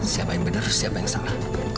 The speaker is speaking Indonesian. siapa yang benar siapa yang salah